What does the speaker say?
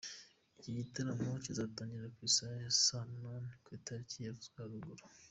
Iki gitaramo kizatangira ku isaha ya saa munani ku itariki yavuzwe haruguru.